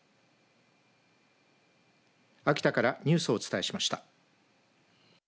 秋田からニュースをお伝えしました。